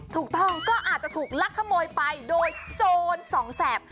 ถูกต้องก็อาจจะถูกลักขโมยไปโดยโจรสองแสบ